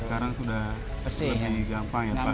sekarang sudah lebih gampang ya pak